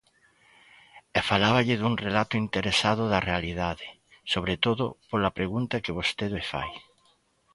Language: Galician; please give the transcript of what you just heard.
E faláballe dun relato interesado da realidade, sobre todo, pola pregunta que vostede fai.